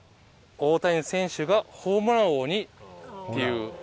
大谷選手がホームラン王にっていうことですね。